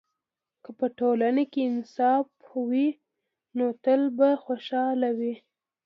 که په ټولنه کې انصاف وي، نو تل به خوشحاله وي.